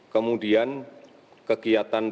kemudian kegiatan penerbangan